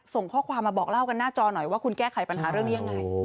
ส่งข้อความมาบอกเล่ากันหน้าจอหน่อยว่าคุณแก้ไขปัญหาเรื่องนี้ยังไง